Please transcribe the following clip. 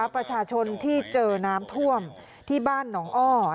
ประชาชนที่เจอน้ำท่วมที่บ้านหนองอ้อ